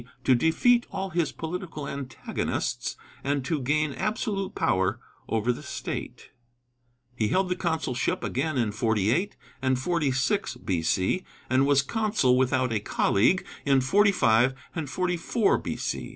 to defeat all his political antagonists and to gain absolute power over the State. He held the consulship again in 48 and 46 B.C., and was consul without a colleague in 45 and 44 B.C.